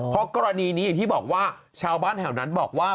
เพราะกรณีนี้อย่างที่บอกว่าชาวบ้านแถวนั้นบอกว่า